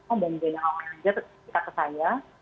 oh mbak md awang juga ketika ke saya